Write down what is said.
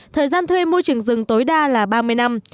thời gian thuê môi trường rừng tối đa là ba mươi năm